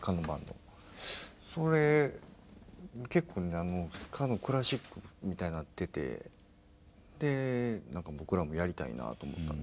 それ結構スカのクラシックみたいなっててで何か僕らもやりたいなと思ったんですよね。